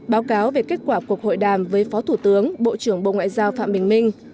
báo cáo về kết quả cuộc hội đàm với phó thủ tướng bộ trưởng bộ ngoại giao phạm bình minh